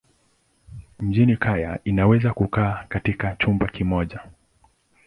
Mjini kaya inaweza kukaa katika chumba kimoja.